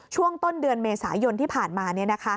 ช่วงต้นเดือนเมษายนที่ผ่านมา